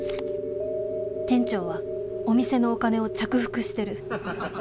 店長はお店のお金を着服してる。